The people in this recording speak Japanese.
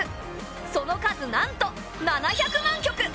その数なんと７００万局！